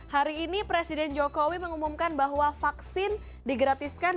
hari ini presiden jokowi mengumumkan bahwa vaksin digratiskan